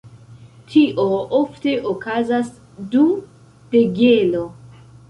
Tio ofte okazas dum degelo.